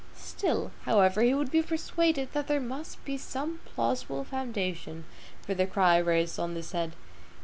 Still, however he would be persuaded that there must be some plausible foundation for the cry raised on this head.